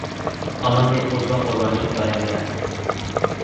آنان یک بز را قربانی خدایان کردند.